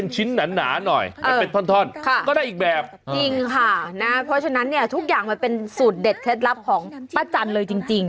จริงค่ะนะเพราะฉะนั้นเนี่ยทุกอย่างมันเป็นสูตรเด็ดเคล็ดลับของป้าจันเลยจริง